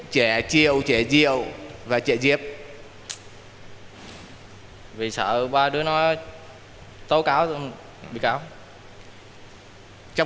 đang đi nhiều lúc